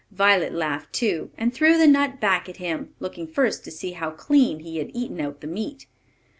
Violet laughed too, and threw the nut back at him, looking first to see how clean he had eaten out the meat.